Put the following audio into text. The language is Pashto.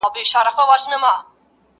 نور بيا حکومت ملامتوي او پوښتني راپورته کوي.